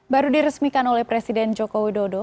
baru diresmikan oleh presiden joko widodo